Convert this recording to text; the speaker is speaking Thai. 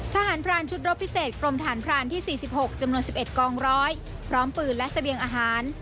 ทหารพรานชุดรบพิเศษกรมฐานพรานที่๔๖จำนวน๑๑กองร้อยพร้อมปืนและเสบียงอาหาร